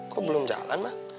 kok belum jalan ma